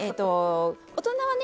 大人はね